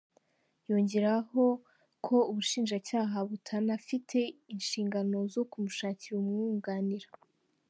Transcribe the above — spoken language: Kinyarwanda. Yongeraho ko Ubushinjacyaha butanafite inshingano zo kumushakira umwunganira.